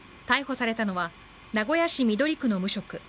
逮捕されたのは名古屋市緑区の無職